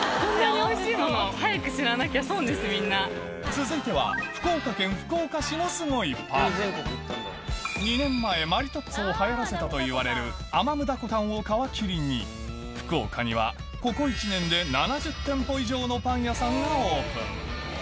続いては福岡県福岡市のすごいパン２年前マリトッツォを流行らせたといわれるアマムダコタンを皮切りに福岡にはここさらに老舗パン屋さん